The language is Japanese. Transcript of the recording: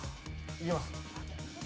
いけます。